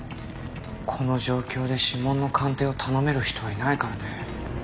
この状況で指紋の鑑定を頼める人はいないからね。